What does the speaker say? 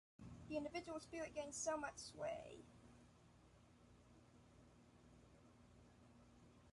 The individual spirit gains so much sway.